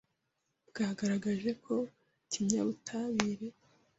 bwagaragaje ko ikinyabutabire,